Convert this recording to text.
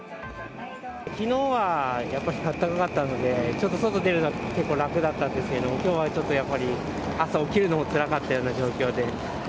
きのうはやっぱり暖かかったので、ちょっと外出るのが結構、楽だったんですけども、きょうはちょっとやっぱり、朝起きるのもつらかったような状況で。